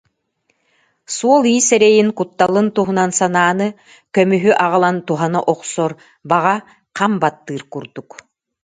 Суол-иис эрэйин, кутталын туһунан санааны көмүһү аҕалан туһана охсор баҕа хам баттыыр курдук